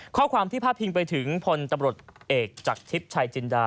ข้อความที่พาดพิงไปถึงพลตำรวจเอกจากทิพย์ชายจินดา